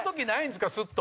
すっと。